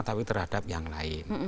tapi terhadap yang lain